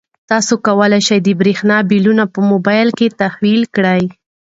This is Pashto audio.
تاسو کولای شئ د برښنا بلونه په موبایل کې تحویل کړئ.